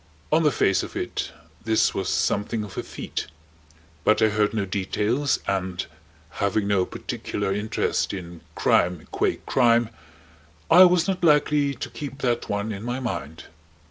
On the face of it this was something of a feat. But I heard no details, and having no particular interest in crime qua crime I was not likely to keep that one in my mind.